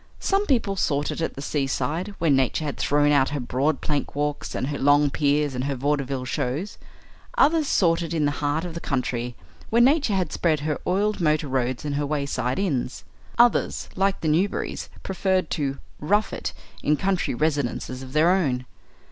Some people sought it at the seaside, where nature had thrown out her broad plank walks and her long piers and her vaudeville shows. Others sought it in the heart of the country, where nature had spread her oiled motor roads and her wayside inns. Others, like the Newberrys, preferred to "rough it" in country residences of their own.